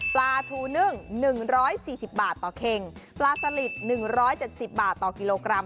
ปลาทูนึ่ง๑๔๐บาทต่อเข่งปลาสลิด๑๗๐บาทต่อกิโลกรัม